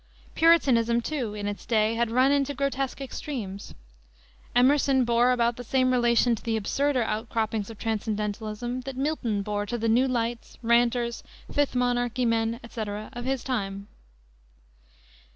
Puritanism, too, in its day had run into grotesque extremes. Emerson bore about the same relation to the absurder outcroppings of transcendentalism that Milton bore to the New Lights, Ranters, Fifth Monarchy Men, etc., of his time.